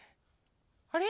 あれ？